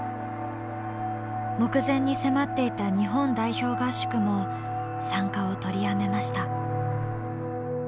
目前に迫っていた日本代表合宿も参加を取りやめました。